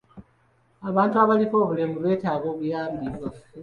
Abantu abaliko obulemu beetaaga obuyambi bwaffe.